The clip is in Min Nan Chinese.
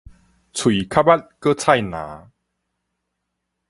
喙較密閣菜籃